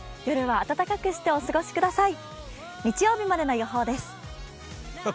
夜は暖かくしてお過ごしください。